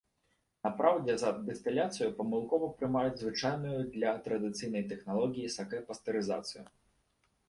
На праўдзе за дыстыляцыю памылкова прымаюць звычайную для традыцыйнай тэхналогіі сакэ пастэрызацыю.